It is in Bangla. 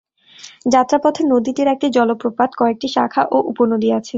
যাত্রাপথে নদীটির একটি জলপ্রপাত, কয়েকটি শাখা ও উপনদী আছে।